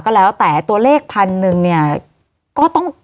ก็แล้วแต่ตัวเลขพันหนึ่งเนี่ยก็ต้อง